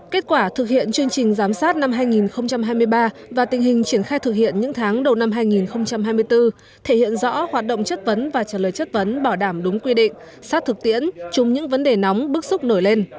kết quả thực hiện chương trình giám sát năm hai nghìn hai mươi ba và tình hình triển khai thực hiện những tháng đầu năm hai nghìn hai mươi bốn thể hiện rõ hoạt động chất vấn và trả lời chất vấn bảo đảm đúng quy định sát thực tiễn chung những vấn đề nóng bức xúc nổi lên